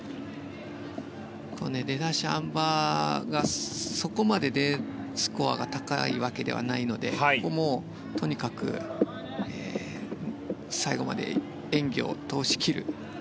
あん馬は、そこまでＤスコアが高いわけではないのでここもとにかく最後まで演技を通しきる。